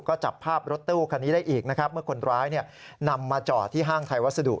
ก็จับภาพรถตู้คันนี้ได้อีกนะครับเมื่อคนร้ายนำมาจอดที่ห้างไทยวัสดุ